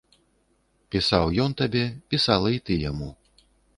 Пісаў ён табе, пісала і ты яму.